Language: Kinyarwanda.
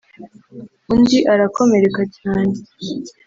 undi arakomereka cyane